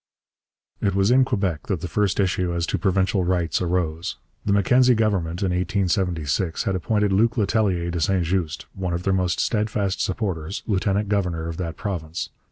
It was in Quebec that the first issue as to provincial rights arose. The Mackenzie Government in 1876 had appointed Luc Letellier de St Just, one of their most steadfast supporters, lieutenant governor of that province.